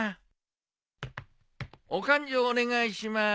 お勘定お願いします。